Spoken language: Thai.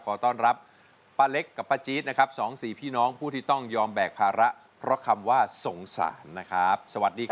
ขอต้อนรับป้าเล็กกับป้าจี๊ดนะครับสองสี่พี่น้องผู้ที่ต้องยอมแบกภาระเพราะคำว่าสงสารนะครับสวัสดีครับ